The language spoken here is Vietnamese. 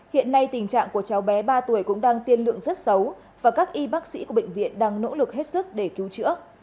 hiện nay tình trạng của cháu bé ba tuổi cũng đang tiên lượng rất xấu và các y bác sĩ của bệnh viện đang nỗ lực hết sức để cứu chữa